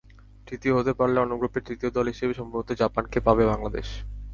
তৃতীয় হতে পারলে অন্য গ্রুপের তৃতীয় দল হিসেবে সম্ভবত জাপানকে পাবে বাংলাদেশ।